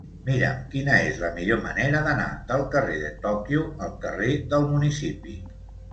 Mira'm quina és la millor manera d'anar del carrer de Tòquio al carrer del Municipi.